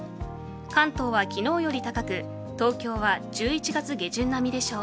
関東は昨日より高く東京は１１月下旬並みでしょう。